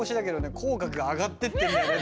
口角が上がってってるんだけど。